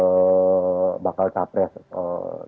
jadi itu adalah hal yang harus kita lakukan